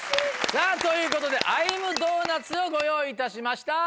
さぁということでＩ’ｍｄｏｎｕｔ？をご用意いたしました。